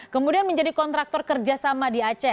kemudian menjadi kontraktor kerjasama di aceh